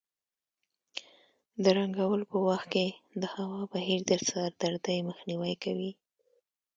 د رنګولو په وخت کې د هوا بهیر د سر دردۍ مخنیوی کوي.